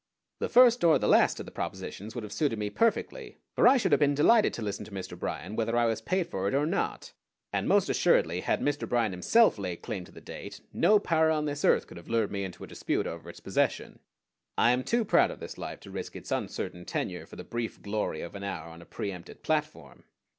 The first or the last of the propositions would have suited me perfectly; for I should have been delighted to listen to Mr. Bryan whether I was paid for it or not and most assuredly had Mr. Bryan himself laid claim to the date no power on this earth could have lured me into a dispute over its possession. I am too proud of this life to risk its uncertain tenure for the brief glory of an hour on a preëmpted platform.